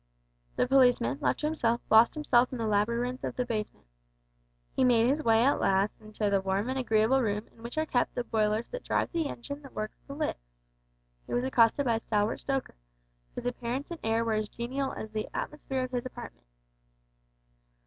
The policeman, left to himself, lost himself in the labyrinth of the basement. He made his way at last into the warm and agreeable room in which are kept the boilers that drive the engine that works the lifts. He was accosted by a stalwart stoker, whose appearance and air were as genial as the atmosphere of his apartment.